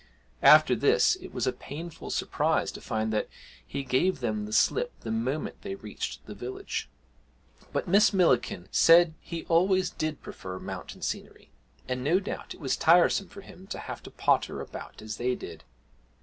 After this, it was a painful surprise to find that he gave them the slip the moment they reached the village. But Miss Millikin said he always did prefer mountain scenery, and no doubt it was tiresome for him to have to potter about as they did.